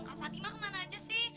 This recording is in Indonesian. kak fatima kemana aja sih